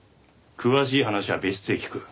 詳しい話は別室で聞く。